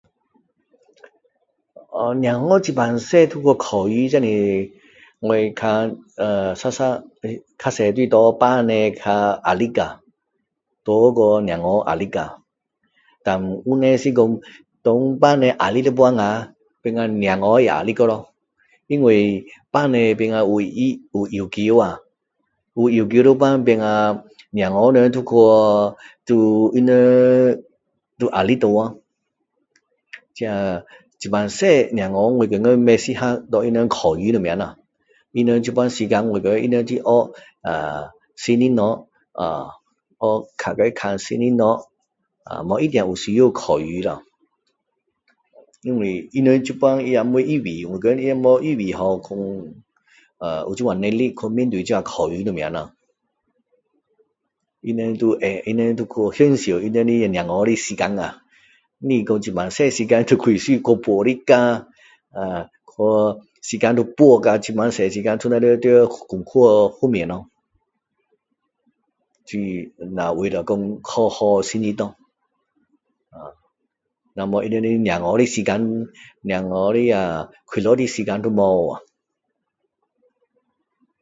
呃小孩那么小就去考试我看常常都是给父母比较多压力啊多过小孩压力啊问题是父母压力时变成小孩也压力咯因为父母变成唯一有要求啊有要求时变成小孩们都去他们有压力了咯这这么小小孩我决定不适合给他们考试什么他们现在时间是学新的东西看新的东西啊不一定需要考试咯因为他们现在没有预备也还没预备好去啊有这样能力去面对考试这样他们都会他们都去享受他们小孩的时间啊不是说这么小的时候就去补习啊啊去时间都去做功课什么咯所以都为了考好成绩咯所以他们小孩的时间小孩快乐的时间都没有了